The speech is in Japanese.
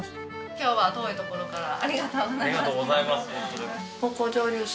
今日は遠い所からありがとうございます。